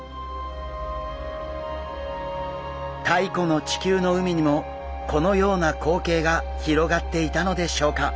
太古の地球の海にもこのような光景が広がっていたのでしょうか。